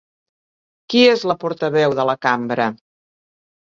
Qui és la portaveu de la cambra?